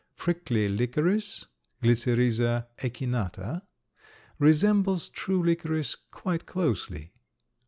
Prickly licorice (Glycyrrhiza echinata) resembles true licorice quite closely.